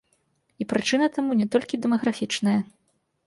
І прычына таму не толькі дэмаграфічная.